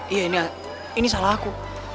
iya ini salah aku